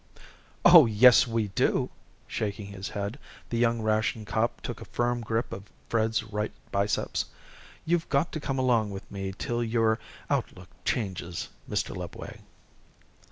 "Oh, yes, we do!" Shaking his head, the young ration cop took a firm grip on Fred's right biceps. "You've got to come along with me till your outlook changes, Mr. Lubway."